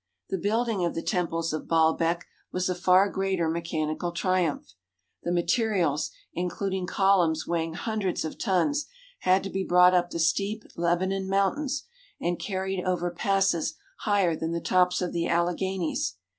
The building of the temples of Baalbek was a far greater mechanical triumph. The materials, including columns weighing hundreds of tons, had to be brought up the steep Leba non Mountains and carried over passes higher than the tops of the Alleghanies.